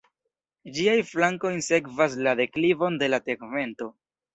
Ĝiaj flankoj sekvas la deklivon de la tegmento.